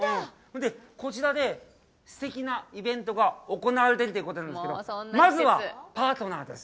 こちらですてきなイベントが行われているということなんですけども、まずは、パートナーです。